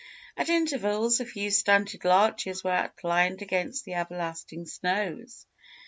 At intervals, a few stunted larches were outlined against the everlasting snows.